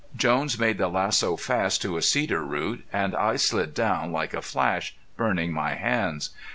Jones made the lasso fast to a cedar root, and I slid down, like a flash, burning my hands.